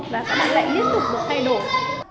và các bạn lại liên tục được thay đổi